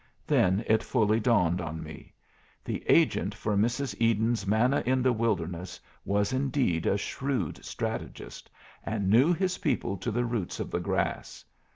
Then it fully dawned on me. The agent for Mrs. Eden's Manna in the Wilderness was indeed a shrewd strategist, and knew his people to the roots of the grass.